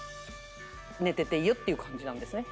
寝てていいよっていう感じなんですね？